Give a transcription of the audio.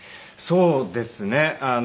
そうですね。